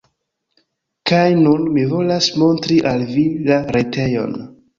Kaj nun, mi volas montri al vi la retejon!